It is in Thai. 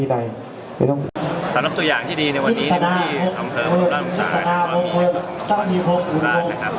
สามารถส่วยอย่างที่ดีในวันนี้ในพืชธรรมค์เหิมมโทษละโทษลนะคะ